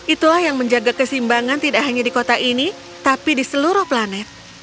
itulah yang menjaga kesimbangan tidak hanya di kota ini tapi di seluruh planet